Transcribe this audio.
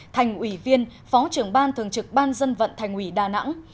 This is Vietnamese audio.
thành ủy viên phó trưởng ban thường trực ban dân vận thành ủy đà nẵng